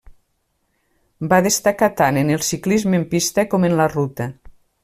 Va destacar tant en el ciclisme en pista com en la ruta.